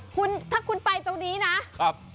คุณถ้าคุณไปตรงนี้นะครับ